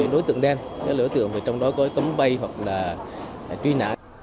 đối tượng đen đối tượng trong đó có tống bay hoặc là truy nã